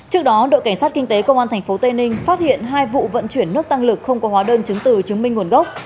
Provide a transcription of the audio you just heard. trước đó đội cảnh sát kinh tế công an tp tây ninh phát hiện hai vụ vận chuyển nước tăng lực không có hóa đơn chứng từ chứng minh nguồn gốc